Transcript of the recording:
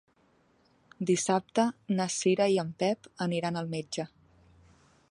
Dissabte na Cira i en Pep aniran al metge.